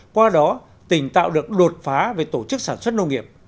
qua đó tỉnh tạo được đột phá về tổ chức sản xuất nông nghiệp